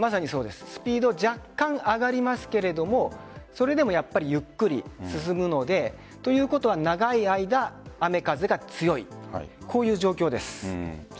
若干、スピード上がりますけれどそれでもやっぱりゆっくり進むのでということは長い間、雨風が強いこういう状況です。